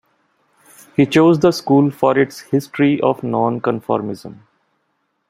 He chose the school for its "history of nonconformism".